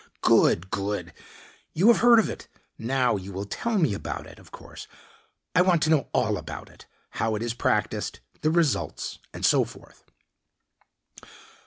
"Good, good. You have heard of it. Now, you will tell me about it, of course. I want to know all about it how it is practiced, the results, and so forth."